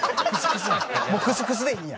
もうクスクスでいいんや？